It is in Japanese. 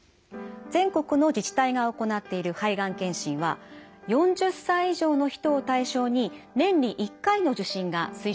全国の自治体が行っている肺がん検診は４０歳以上の人を対象に年に１回の受診が推奨されています。